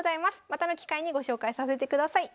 またの機会にご紹介させてください。